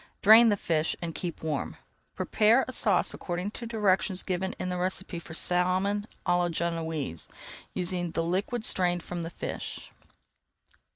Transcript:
Drain the fish and keep warm. Prepare a sauce according to directions given in the recipe for Salmon à la Genoise, using the liquid strained from the fish.